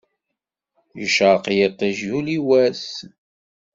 Yecreq yiṭij, yuli wass.